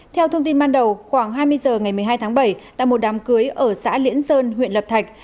theo thông tin ban đầu khoảng hai mươi h ngày một mươi hai tháng bảy tại một đám cưới ở xã liễn sơn huyện lập thạch